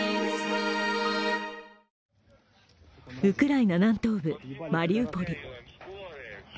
ウクライナ南東部マリウポリ。